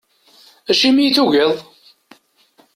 Acimi i tugiḍ?